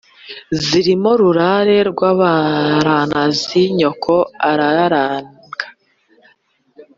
zirimo rurare rw'abaranazi nyoko araranaga